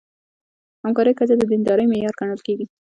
همکارۍ کچه د دیندارۍ معیار ګڼل کېږي.